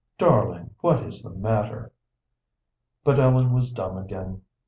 Darling, what is the matter?" But Ellen was dumb again.